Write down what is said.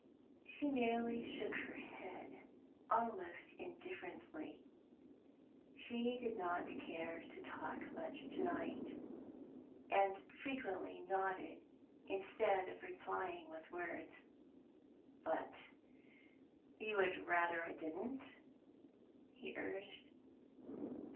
She merely shook her head, almost indifferently. She did not care to talk much to night, and frequently nodded instead of replying with words. "But you would rather I didn't?" he urged.